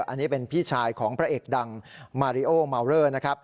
อันนี้เป็นพี่ชายของพระเอกดังมาริโอมาวเลอร์นะครับ